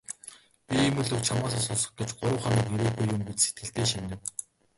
"Би ийм л үг чамаасаа сонсох гэж гурав хоног ирээгүй юм" гэж сэтгэлдээ шивнэв.